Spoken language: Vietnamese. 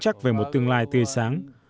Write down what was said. tôi vẫn chắc về một tương lai tươi sáng